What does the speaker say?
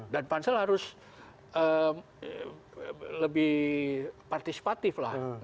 dan pansel harus lebih partisipatif lah